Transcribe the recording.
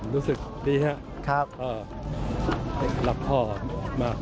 รู้สึกดีครับรักพ่อมาก